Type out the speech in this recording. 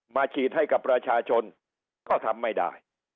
ฉีดให้กับประชาชนก็ทำไม่ได้